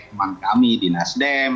teman kami di nasdem